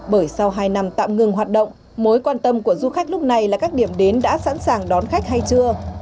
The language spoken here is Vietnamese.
bởi sau hai năm tạm ngừng hoạt động mối quan tâm của du khách lúc này là các điểm đến đã sẵn sàng đón khách hay chưa